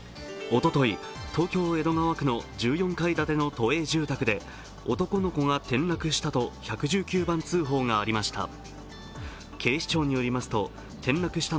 おととい、東京・江戸川区の１４階建ての都営住宅で男の子が転落したと１１９番通報がありました。